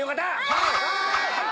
はい！